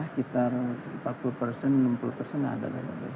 sekitar empat puluh persen enam puluh persen ada